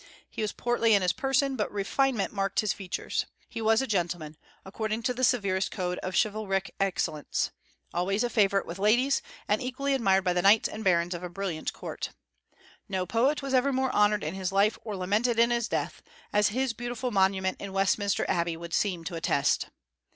He was portly in his person, but refinement marked his features. He was a gentleman, according to the severest code of chivalric excellence; always a favorite with ladies, and equally admired by the knights and barons of a brilliant court. No poet was ever more honored in his life or lamented in his death, as his beautiful monument in Westminster Abbey would seem to attest.